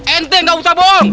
ente gak usah bohong